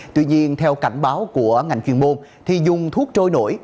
tuy nhiên theo cảnh báo của ngành chuyên môn thì dùng thuốc trôi nổi